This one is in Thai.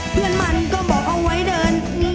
เพื่อนมันก็บอกเอาไว้เดิน